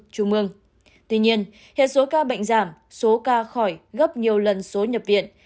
tuy nhiên hiện số ca bệnh giảm số ca khỏi gấp nhiều lần số nhập viện